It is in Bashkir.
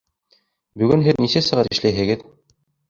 Бөгөн һеҙ нисә сәғәт эшләйһегеҙ?